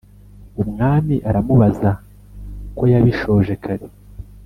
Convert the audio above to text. Umwami aramubaza koyabishoje kare